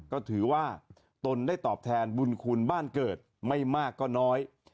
ก็ถือว่าตนได้ตอบแทนบุญคุณบ้านเกิดไม่มากก็น้อย